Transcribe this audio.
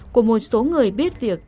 của một số người biết việc